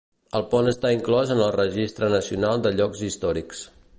El pont està inclòs en el Registre Nacional de Llocs Històrics.